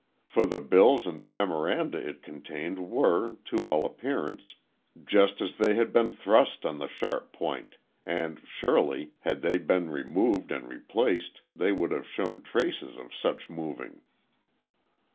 For the bills and memoranda it contained were, to all appearance, just as they had been thrust on the sharp point—and surely, had they been removed and replaced, they would have shown traces of such moving.